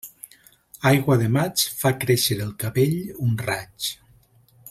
Aigua de maig fa créixer el cabell un raig.